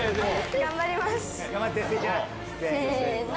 頑張ります！せの！